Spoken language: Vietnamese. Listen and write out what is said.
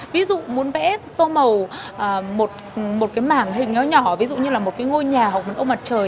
ví dụ muốn vẽ tô màu một cái mảng hình nó nhỏ ví dụ như là một cái ngôi nhà hoặc một ô mặt trời